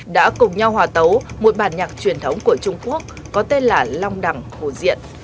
đã cùng nhau hòa tấu một bản nhạc truyền thống của trung quốc có tên là long đẳng hồ diện